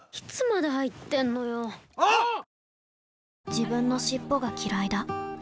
自分の尻尾がきらいだ